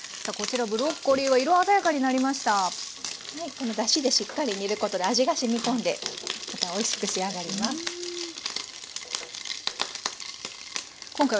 このだしでしっかり煮ることで味がしみ込んでまたおいしく仕上がります。